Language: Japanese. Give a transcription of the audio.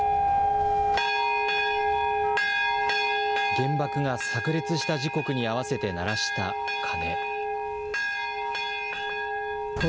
原爆がさく裂した時刻に合わせて鳴らした鐘。